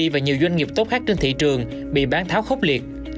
và nhiều doanh nghiệp tốt khác trên thị trường bị bán tháo khốc liệt